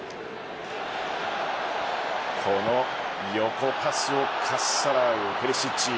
この横パスをかっさらうペリシッチ。